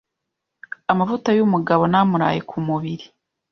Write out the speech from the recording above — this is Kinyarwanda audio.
Amavuta y’umugabo ni amuraye ku mubiri